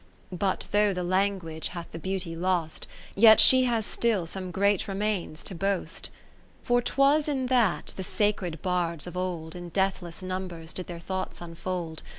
But though the Language hath the beauty lost. Yet she has still some great Remains to boast. 2 0 For 'twas in that, the sacred Bards of old, In deathless numbers did their thoughts unfold.